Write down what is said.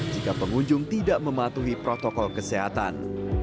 jika pengunjung tidak mematuhi protokol kesehatan